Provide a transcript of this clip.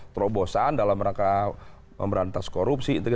terobosan dalam rangka memberantas korupsi